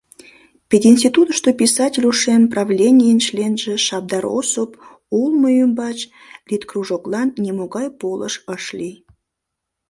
Пединститутышто писатель ушем правленийын членже Шабдар Осып улмо ӱмбач литкружоклан нимогай полыш ыш лий.